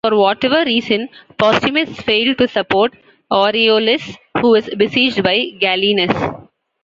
For whatever reason, Postumus failed to support Aureolus, who was besieged by Gallienus.